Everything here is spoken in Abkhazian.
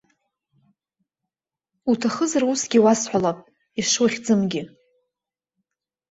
Уҭахызар усгьы уасҳәалап, ишухьӡымгьы.